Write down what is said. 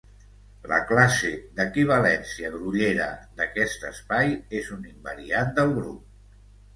La classe d'equivalència grollera d'aquest espai és un invariant del grup.